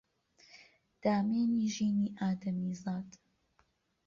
دامێنی ژینی ئادەمیزاد